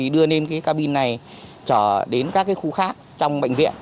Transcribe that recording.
đưa lên cabin này trở đến các khu khác trong bệnh viện